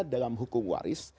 dalam hukum waris